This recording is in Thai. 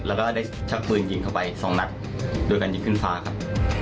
แล้วก็ได้ชักปืนยิงเข้าไปสองนัดโดยการยิงขึ้นฟ้าครับ